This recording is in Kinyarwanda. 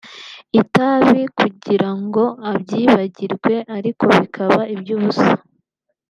itabi kugira ngo abyibagirwe ariko bikaba iby’ubusa